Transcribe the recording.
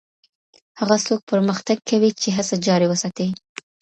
هغه څوک پرمختګ کوي چي هڅه جاري وساتي